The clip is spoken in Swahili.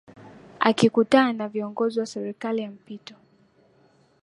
akikutana na viongozi wa serikali ya mpito